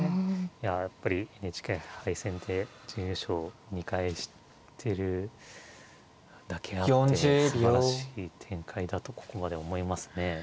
いややっぱりＮＨＫ杯戦で準優勝２回してるだけあってすばらしい展開だとここまで思いますね。